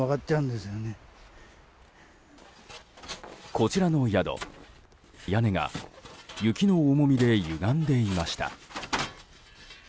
こちらの宿、屋根が雪の重みでゆがんでいました。